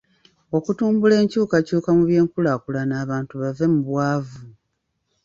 Okutumbula enkyukakyuka mu by'enkulaakulana abantu bave mu bwavu.